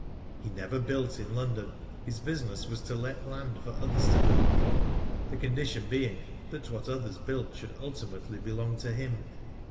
He never built in London; his business was to let land for others to build upon, the condition being that what others built should ultimately belong to him.